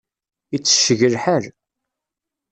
Itecceg lḥal.